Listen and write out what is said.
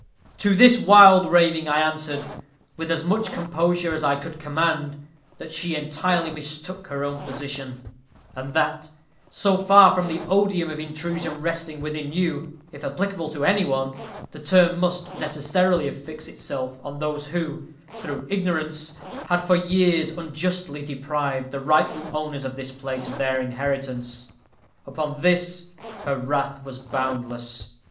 To this wild raving I answered, with as much composure as I could command, that she entirely mistook her own position, and that, so far from the odium of intrusion resting with you, if applicable to any one, the term must necessarily affix itself on those who, through ignorance, had for years unjustly deprived the rightful owners of this place of their inheritance. Upon this her wrath was boundless.